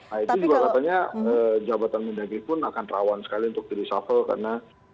nah itu juga katanya jabatan mendagri pun akan rawan sekali untuk dirisafel karena